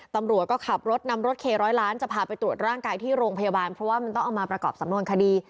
ตำรวจก็ขับรถนำรถเคร้อยล้านจะพาไปตรวจร่างกายที่โรงพยาบาลเพราะว่ามันต้องเอามาประกอบสำนวนคดี